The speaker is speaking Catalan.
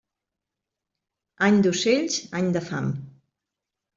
Any d'ocells, any de fam.